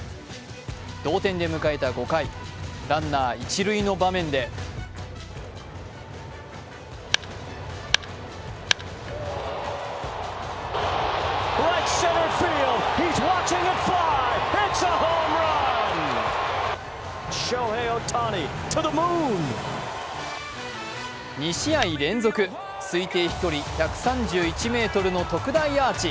同点で迎えた５回、ランナー、一塁の場面で２試合連続推定飛距離１３１ｍの特大アーチ。